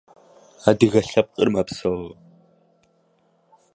Я разделяю точку зрения посла Пакистана.